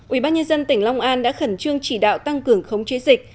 ubnd tỉnh long an đã khẩn trương chỉ đạo tăng cường khống chế dịch